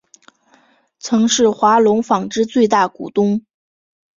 曾是华隆纺织最大股东。